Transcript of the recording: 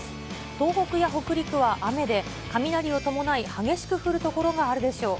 東北や北陸は雨で、雷を伴い、激しく降る所があるでしょう。